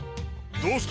どうした！？